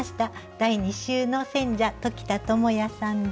第２週の選者鴇田智哉さんです。